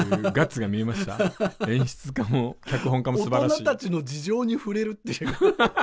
大人たちの事情に触れるっていう。